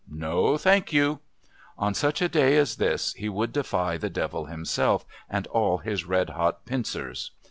no, thank you! On such a day as this he would defy the Devil himself and all his red hot pincers!